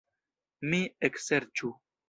Mi ekserĉu.